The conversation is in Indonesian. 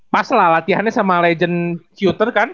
pas lah latihannya sama legend syuter kan